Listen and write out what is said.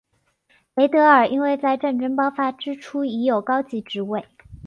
雷德尔因为在战争爆发之初已有高级职位。